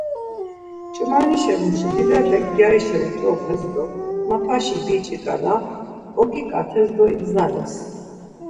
Ç̌umanişe muşi divepek gyarişa ucoxes do mapaşi biç̌i ǩala oǩiǩates do igzales.